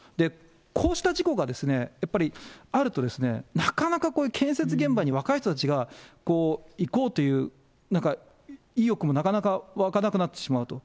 こうした事故がやっぱりあると、なかなかこういう建設現場に若い人たちがいこうという、なんか意欲もなかなか湧かなくなってしまうと。